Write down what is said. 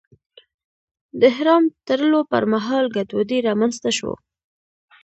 د احرام تړلو پر مهال ګډوډي رامنځته شوه.